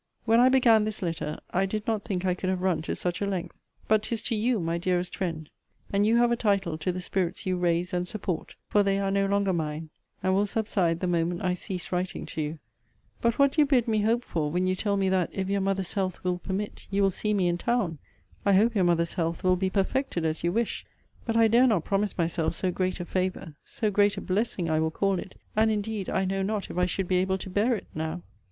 When I began this letter, I did not think I could have run to such a length. But 'tis to YOU, my dearest friend, and you have a title to the spirits you raise and support; for they are no longer mine, and will subside the moment I cease writing to you. But what do you bid me hope for, when you tell me that, if your mother's health will permit, you will see me in town? I hope your mother's health will be perfected as you wish; but I dare not promise myself so great a favour; so great a blessing, I will call it and indeed I know not if I should be able to bear it now!